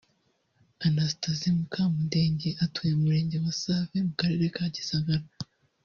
Anastasie Mukamudenge utuye mu murenge wa Save mu karere ka Gisagara